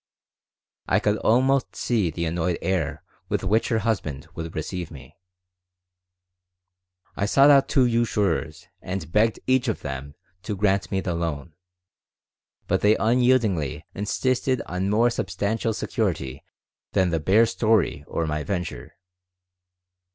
I could almost see the annoyed air with which her husband would receive me I sought out two usurers and begged each of them to grant me the loan, but they unyieldingly insisted on more substantial security than the bare story or my venture.